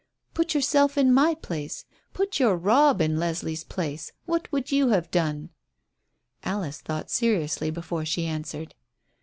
Put yourself in my place put your Robb in Leslie's place. What would you have done?" Alice thought seriously before she answered.